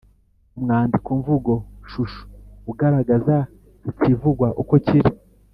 umwandiko mvugo shusho ugaragaza ikivugwa uko kiri,